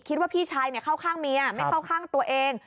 พี่ชายเข้าข้างเมียไม่เข้าข้างตัวเอง